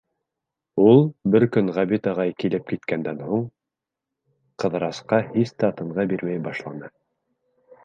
Ул, бер көн Ғәбит ағай килеп киткәндән һуң, Ҡыҙырасҡа һис тә тынғы бирмәй башланы.